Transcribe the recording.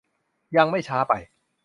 ยังไม่ช้าไป